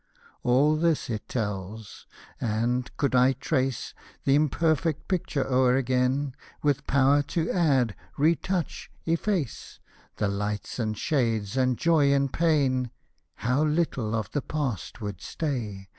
— All this it tells, and, could I trace Th' imperfect picture o'er again. With power to add, retouch, efface The lights and shades, the joy and pain, Hosted by Google TO LADY HOLLAND 239 How little of the past would stay